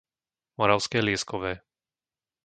Moravské Lieskové